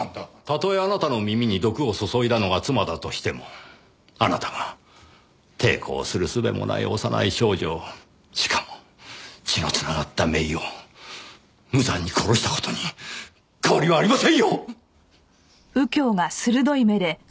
たとえあなたの耳に毒を注いだのが妻だとしてもあなたが抵抗する術もない幼い少女をしかも血の繋がった姪を無残に殺した事に変わりはありませんよ！